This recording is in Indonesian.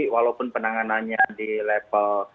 walaupun penanganannya di level